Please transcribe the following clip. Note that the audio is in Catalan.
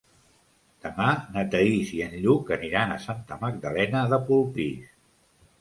Demà na Thaís i en Lluc aniran a Santa Magdalena de Polpís.